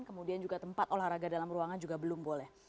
kemudian juga tempat olahraga dalam ruangan juga belum boleh